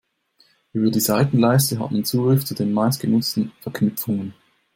Über die Seitenleiste hat man Zugriff zu den meistgenutzten Verknüpfungen.